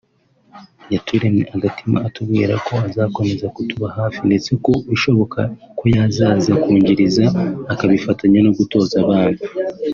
yaturemye agatima atubwira ko azakomeza kutuba hafi ndetse ko bishoboka ko yazaza kungiriza akabifatanya no gutoza abana